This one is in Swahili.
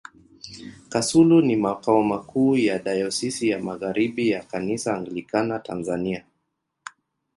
Kasulu ni makao makuu ya Dayosisi ya Magharibi ya Kanisa Anglikana Tanzania.